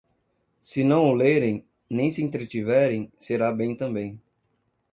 Senão o lerem, nem se entretiverem, será bem também.